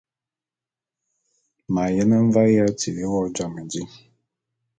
M’ ayene mvae ya tili wo jam di.